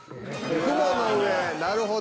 雲の上なるほど。